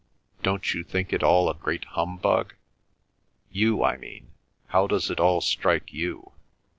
Don't you think it all a great humbug? You, I mean—how does it all strike you?"